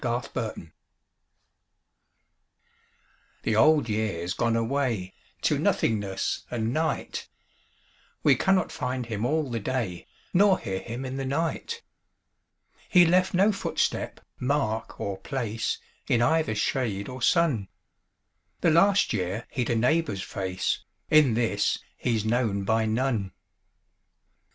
The Old Year The Old Year's gone away To nothingness and night: We cannot find him all the day Nor hear him in the night: He left no footstep, mark or place In either shade or sun: The last year he'd a neighbour's face, In this he's known by none.